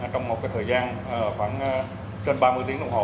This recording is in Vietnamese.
trong một thời gian khoảng trên ba mươi tiếng đồng hồ